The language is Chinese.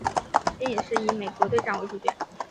电影是以美国队长为主角。